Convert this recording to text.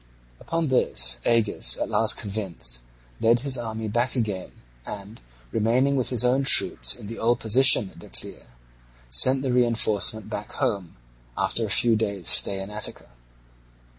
Upon this Agis, at last convinced, led his army back again and, remaining with his own troops in the old position at Decelea, sent the reinforcement back home, after a few days' stay in Attica.